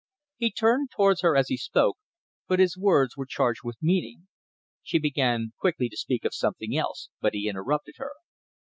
He turned towards her as he spoke, and his words were charged with meaning. She began quickly to speak of something else, but he interrupted her.